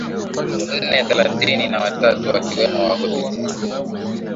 nne thelathini na watatu wakiwemo wahudumu